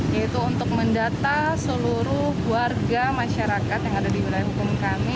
yaitu untuk mendata seluruh warga masyarakat yang ada di wilayah hukum kami